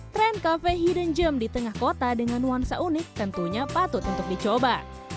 trend kafe hidden gem di tengah kota dengan wansa unik tentunya patut untuk dicoba